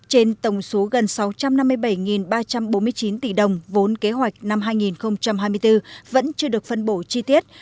trên tổng số gần sáu trăm năm mươi bảy ba trăm bốn mươi chín tỷ đồng vốn kế hoạch năm hai nghìn hai mươi bốn vẫn chưa được phân bổ chi tiết